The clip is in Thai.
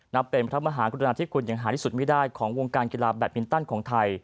เป็นพระมหากรุณาธิคุณอย่างหาที่สุดไม่ได้ของวงการกีฬาแบตมินตันของไทย